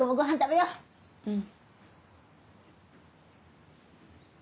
うん。